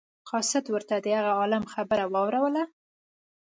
قاصد ورته د هغه عالم خبره واوروله.